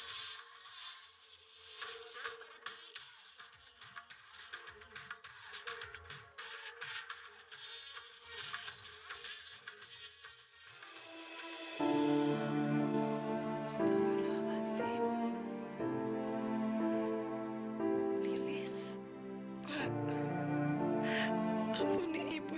itu udah aveya's shade siapal'